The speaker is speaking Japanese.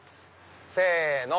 せの！